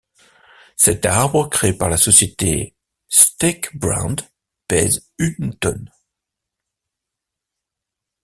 Cet arbre, créé par la société Stakebrand, pèse une tonne.